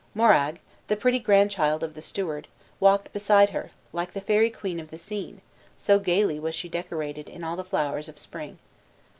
Moraig, the pretty grandchild of the steward, walked beside her, like the fairy queen of the scene, so gayly was she decorated in all the flowers of spring.